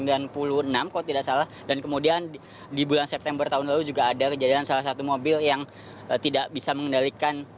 kalau tidak salah dan kemudian di bulan september tahun lalu juga ada kejadian salah satu mobil yang tidak bisa mengendalikan